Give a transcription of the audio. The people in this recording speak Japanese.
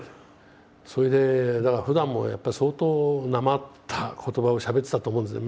それでだからふだんもやっぱり相当なまったことばをしゃべってたと思うんですね。